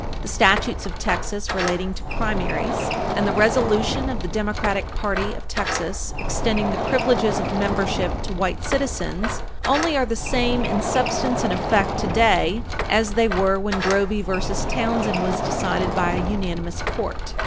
The statutes of Texas relating to primaries and the resolution of the Democratic party of Texas extending the privileges of membership to white citizens only are the same in substance and effect today as they were when Grovey v. Townsend was decided by a unanimous Court.